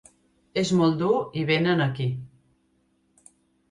És molt dur i vénen aquí.